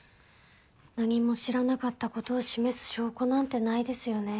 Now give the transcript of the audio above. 「何も知らなかった」ことを示す証拠なんてないですよね。